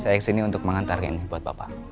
saya kesini untuk mengantar ini buat bapak